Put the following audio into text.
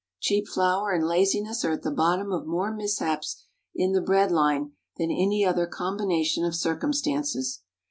Cheap flour and laziness are at the bottom of more mishaps in the bread line than any other combination of circumstances.